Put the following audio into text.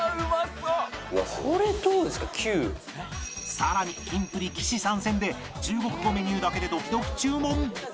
さらにキンプリ岸参戦で中国語メニューだけでドキドキ注文！